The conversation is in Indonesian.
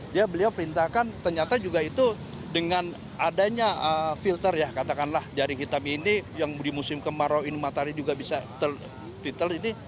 dia beliau perintahkan ternyata juga itu dengan adanya filter ya katakanlah jaring hitam ini yang di musim kemarau ini matahari juga bisa terpital ini